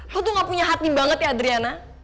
lo tuh ga punya hati banget ya adriana